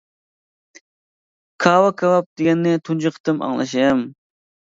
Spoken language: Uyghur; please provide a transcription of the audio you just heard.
كاۋا كاۋاپ دېگەننى تۇنجى قېتىم ئاڭلىشىم.